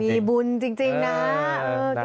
มีบุญจริงนะ